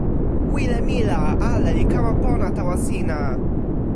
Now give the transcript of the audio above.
wile mi la ale li kama pona tawa sina.